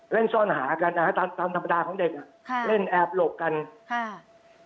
เล่นซ่อนหากันนะฮะตามตามธรรมดาของเด็กอ่ะค่ะเล่นแอบหลบกันค่ะ